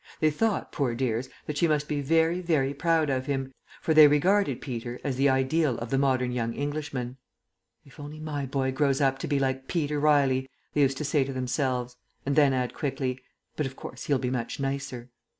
They thought, poor dears, that she must be very, very proud of him, for they regarded Peter as the ideal of the modern young Englishman. "If only my boy grows up to be like Peter Riley!" they used to say to themselves; and then add quickly, "But of course he'll be much nicer."